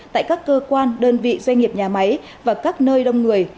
tại các cơ quan đơn vị doanh nghiệp nhà máy và các nơi đông người